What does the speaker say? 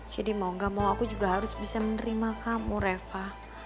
jadi mau gak mau aku juga harus bisa menerima kamu reva